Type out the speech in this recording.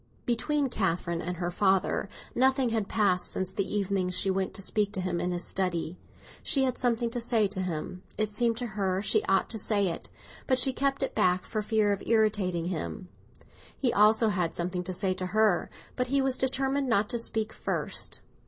Between Catherine and her father nothing had passed since the evening she went to speak to him in his study. She had something to say to him—it seemed to her she ought to say it; but she kept it back, for fear of irritating him. He also had something to say to her; but he was determined not to speak first.